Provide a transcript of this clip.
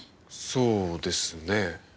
そうですね。